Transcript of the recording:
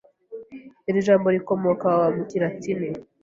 Iri jambo rikomoka mu kilatini.